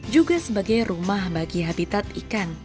juga sebagai rumah bagi habitat ikan